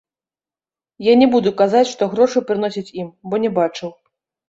Я не буду казаць, што грошы прыносяць ім, бо не бачыў.